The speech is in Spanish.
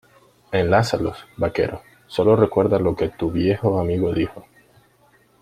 Enlázalos, vaquero. Sólo recuerda lo que tu viejo amigo dijo .